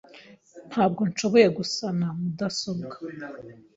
Ntabwo nshobora gusana mudasobwa.